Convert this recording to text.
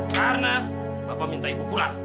karena bapak minta ibu pulang